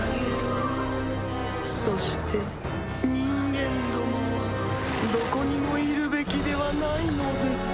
そして人間どもはどこにもいるべきではないのです。